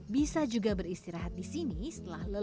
bisa juga beristirahat di sini setelah lelah